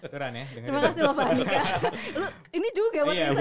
terima kasih lho pak anika